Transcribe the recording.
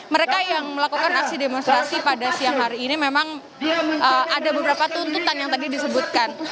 mereka yang melakukan aksi demonstrasi pada siang hari ini memang ada beberapa tuntutan yang tadi disebutkan